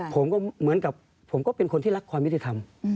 ผมก็เหมือนกับผมก็เป็นคนที่รักความยุติธรรม